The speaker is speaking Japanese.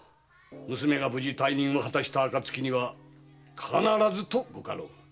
娘が無事大任を果たした暁には必ずとご家老が。